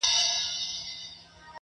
فضا له وېري او ظلم ډکه ده او درنه ده-